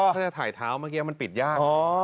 ถ้าจะถ่ายเท้าเมื่อกี้มันปิดยาก